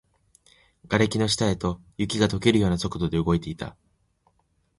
瓦礫の下へと、雪が溶けるような速度で動いていた